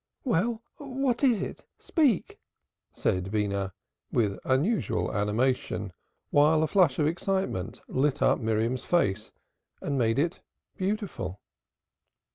"Well, what is it? Speak!" said Beenah, with unusual animation, while a flush of excitement lit up Miriam's face and made it beautiful.